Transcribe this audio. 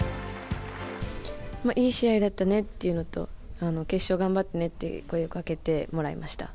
いい試合だったねっていうのと、決勝、頑張ってねって声をかけてもらいました。